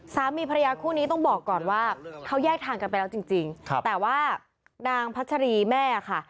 สามีภรรยาคู่นี้ต้องบอกก่อนว่าเขาแยกทางกันไปแล้วจริงแต่ว่านางพัชรีแม่ค่ะ